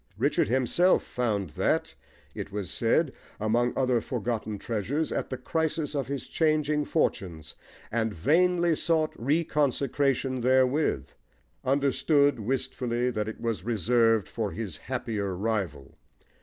Richard himself found that, it was said, among other forgotten treasures, at the crisis of his changing fortunes, and vainly sought reconsecration therewith understood, wistfully, that it was reserved for his happier rival.